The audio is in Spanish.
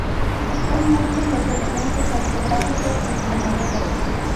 Son muchos los elementos autobiográficos en sus novelas.